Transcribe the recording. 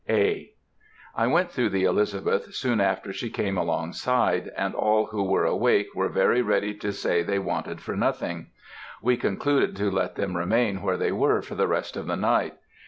(A.) I went through the Elizabeth soon after she came along side, and all who were awake were very ready to say they wanted for nothing. We concluded to let them remain where they were for the rest of the night.